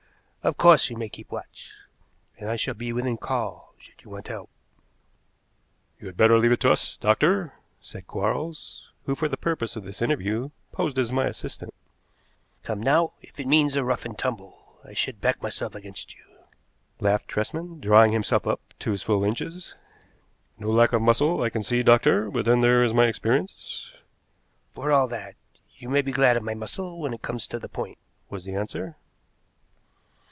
Of course you may keep watch, and I shall be within call should you want help." "You had better leave it to us, doctor," said Quarles, who, for the purpose of this interview, posed as my assistant. "Come, now, if it means a rough and tumble, I should back myself against you," laughed Tresman, drawing himself up to his full inches. "No lack of muscle, I can see, doctor, but then there is my experience." "For all that, you may be glad of my muscle when it comes to the point," was the answer.